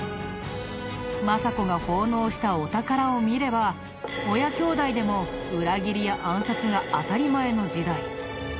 政子が奉納したお宝を見れば親兄弟でも裏切りや暗殺が当たり前の時代。